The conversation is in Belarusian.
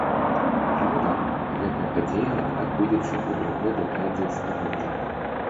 Праўда, гэтая падзея адбудзецца ў другой дэкадзе стагоддзя.